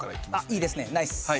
いいですねナイス。